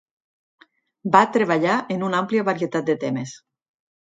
Va treballar en una àmplia varietat de temes.